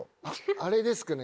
あれですかね